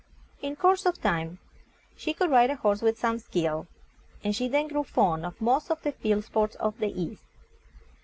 In course of time she could ride a horse with some skill, and she then grew fond of most of the field sports of the East.